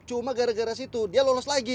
cuma gara gara situ dia lolos lagi